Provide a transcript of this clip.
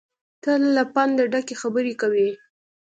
تل له پنده ډکې خبرې کوي.